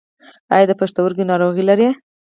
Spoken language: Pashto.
ایا د پښتورګو ناروغي لرئ؟